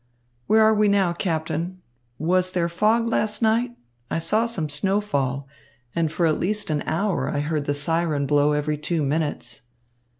"Where are we now, Captain? Was there fog last night? I saw some snow fall. And for at least an hour I heard the siren blow every two minutes."